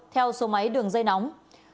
theo số máy đường dây nóng